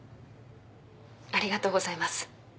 ありがとうございます。